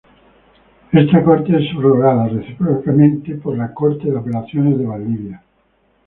Esta Corte es subrogada, recíprocamente, por la Corte de Apelaciones de Valdivia.